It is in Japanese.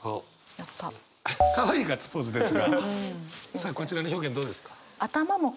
さあこちらの表現どうですか？